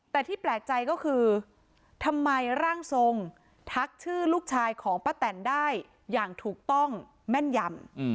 แต่ที่แปลกใจก็คือทำไมร่างทรงทักชื่อลูกชายของป้าแตนได้อย่างถูกต้องแม่นยำ